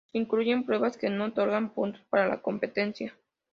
Se incluyen pruebas que no otorgan puntos para la competencia.